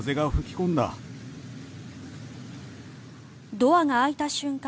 ドアが開いた瞬間